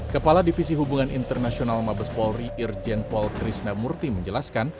kepala divisi hubungan internasional mabes polri irjen polkrisna murty menjelaskan